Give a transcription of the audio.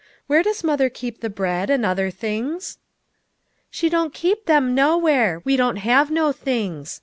" Where does mother keep the bread, and other things?" "She don't keep them nowhere. We don't have no things.